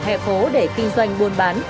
hè phố để kinh doanh buôn bán